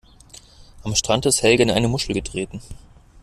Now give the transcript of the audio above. Am Strand ist Helge in eine Muschel getreten.